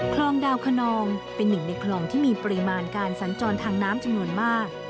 คลองดาวคนองเป็นหนึ่งในคลองที่มีปริมาณการสัญจรทางน้ำจำนวนมาก